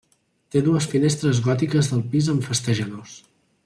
Té dues finestres gòtiques del pis amb festejadors.